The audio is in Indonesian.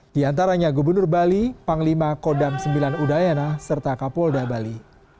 diantaranya gubernur bali panglima kodam ix udayana serta kapolda bali